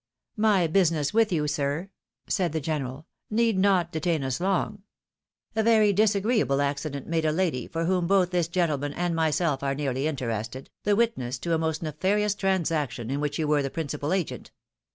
" My business with you, sir," said the general, " need not detain us long. A very disagreeable accident made a lady, for whom both this gentleman and myself are nearly interested, the witness to a most nefarious transaction in which you were the principal agent.